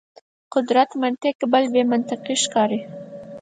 قدرت منطق بل بې منطقي ښکاري.